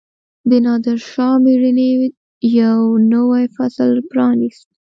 د نادرشاه مړینې یو نوی فصل پرانیست.